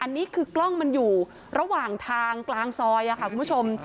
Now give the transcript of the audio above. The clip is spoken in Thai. อันนี้คือกล้องมันอยู่ระหว่างทางกลางซอยค่ะคุณผู้ชม